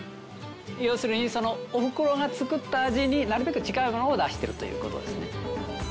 要するにおふくろが作った味になるべく近いものを出しているという事ですね。